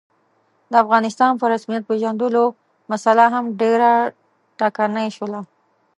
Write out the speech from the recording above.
د افغانستان په رسمیت پېژندلو مسعله هم ډېره ټکنۍ شوله.